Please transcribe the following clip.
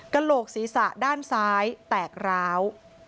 กระโหลกศีรษะด้านซ้ายแตกร้าว